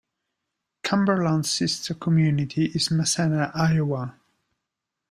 Cumberland's sister community is Massena, Iowa.